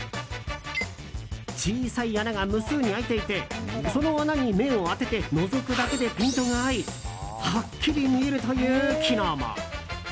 小さい穴が無数に開いていてその穴に目を当ててのぞくだけでピントが合いはっきり見えるという機能も。